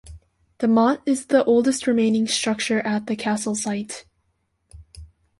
The motte is the oldest remaining structure at the castle site.